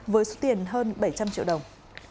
với số tiền hơn bảy trăm linh triệu đồng